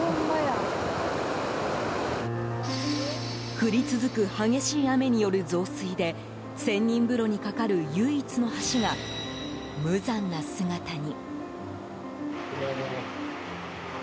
降り続く激しい雨による増水で仙人風呂に架かる唯一の橋が無残な姿に。